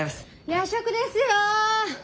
夜食ですよ！